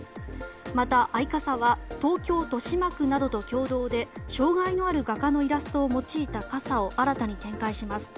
またアイカサは東京・豊島区などと共同で障害のある画家のイラストを用いた傘を新たに展開します。